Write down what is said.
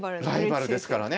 ライバルですからね。